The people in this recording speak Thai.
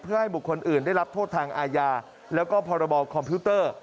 เพื่อให้บุคคลอื่นได้รับโทษทางอาญาแล้วก็พรบคอมพิวเตอร์